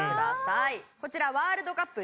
こちらワールドカップ